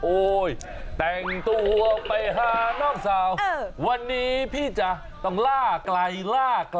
โอ๊ยแต่งตัวไปหาน้องสาววันนี้พี่จะต้องล่าไกล